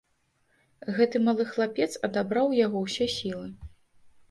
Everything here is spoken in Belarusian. Гэты малы хлапец адабраў у яго ўсе сілы.